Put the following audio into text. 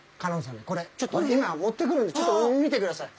ちょっと今持ってくるんでちょっと見てください。